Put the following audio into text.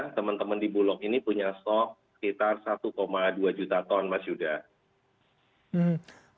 teman teman di bulog ini punya stok sekitar satu dua juta ton mas yuda